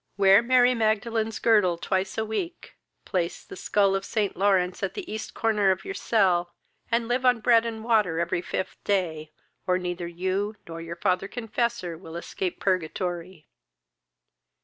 "Wear Mary Magdalene's girdle twice a week: place the scull of St. Lawrence at the East corner of your cell, and live on bread and water every fifth day; or neither you, nor your father confessor will escape purgatory."